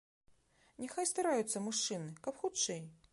Няхай стараюцца мужчыны, каб хутчэй.